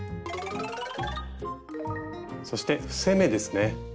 そして伏せ目ですね。